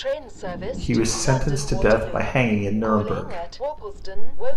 He was sentenced to death by hanging in Nuremberg.